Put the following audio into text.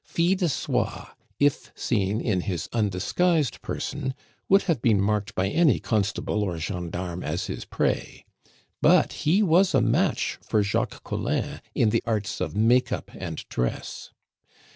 Fil de Soie, if seen in his undisguised person, would have been marked by any constable or gendarme as his prey; but he was a match for Jacques Collin in the arts of make up and dress.